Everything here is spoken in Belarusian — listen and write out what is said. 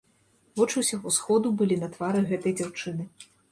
Вочы ўсяго сходу былі на твары гэтай дзяўчыны.